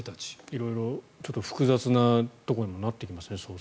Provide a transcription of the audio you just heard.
色々ちょっと複雑なところにもなってきますね。